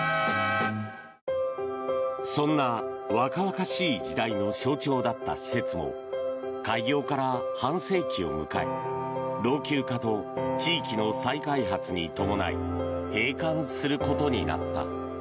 そんな若々しい時代の象徴だった施設も開業から半世紀を迎え老朽化と地域の再開発に伴い閉館することになった。